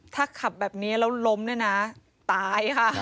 ถ้าขับแบบนี้แล้วล้มด้วยนะตายค่ะ